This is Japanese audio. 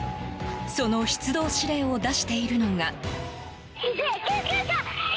その出動指令を出しているのが。